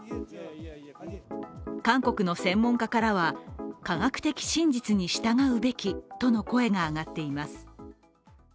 韓国の専門家からは、科学的真実に従うべきとの声が上がっています。